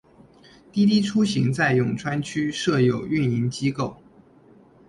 滴滴出行在永川区设有运营机构。